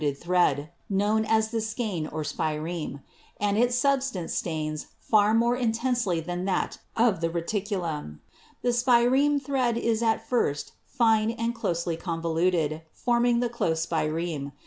CELL DIVISION 83 thread, known as the skein or spireme, and its substance stains far more intensely than that of the reticulum. The spireme thread is at first fine and closely convoluted, form ing the 'close spireme.'